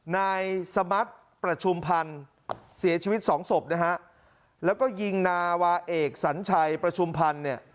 นายสมัติประชุมพันธ์เสียชีวิตสองศพนะฮะแล้วก็ยิงนาวาเอกสัญชัยประชุมพันธ์เนี่ย